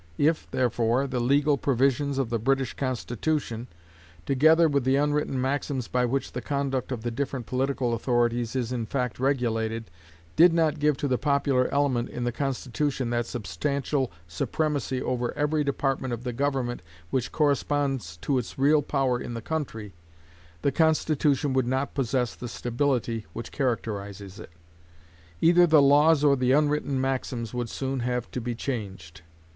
If, therefore, the legal provisions of the British Constitution, together with the unwritten maxims by which the conduct of the different political authorities is in fact regulated, did not give to the popular element in the Constitution that substantial supremacy over every department of the government which corresponds to its real power in the country, the Constitution would not possess the stability which characterizes it; either the laws or the unwritten maxims would soon have to be changed.